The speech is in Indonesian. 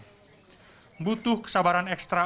pembelajaran butuh kesabaran ekstra